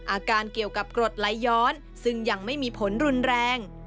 อาการเกี่ยวกับกรดไหลย้อนซึ่งยังไม่มีผลรุนแรง